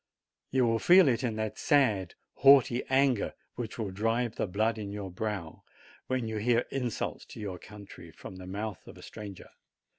You will feel it in that sad, haughty anger which will drive the blood to your brow when you hear insults to your country from the mouth of a stranger.